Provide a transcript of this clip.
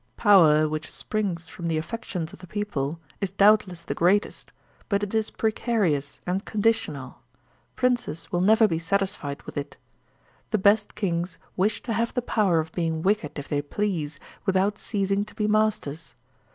Power which springs from the affections of the people is doubtless the greatest, but it is precarious and conditional; princes will never be satisfied with it. The best kings wish to have the power of being wicked if they please, without ceasing to be masters.